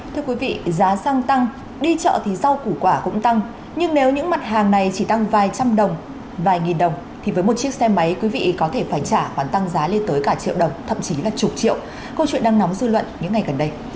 thưa quý vị giá xăng tăng đi chợ thì rau củ quả cũng tăng nhưng nếu những mặt hàng này chỉ tăng vài trăm đồng vài nghìn đồng thì với một chiếc xe máy quý vị có thể phải trả khoản tăng giá lên tới cả triệu đồng thậm chí là chục triệu câu chuyện đang nóng dư luận những ngày gần đây